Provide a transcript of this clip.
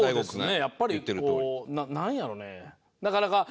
やっぱりこうなんやろうね？